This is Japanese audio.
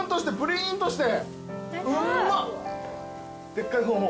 でっかい方も。